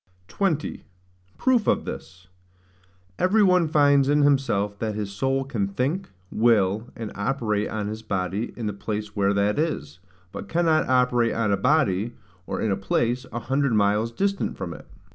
20. Proof of this. Every one finds in himself that his soul can think, will, and operate on his body in the place where that is, but cannot operate on a body, or in a place, an hundred miles distant from it.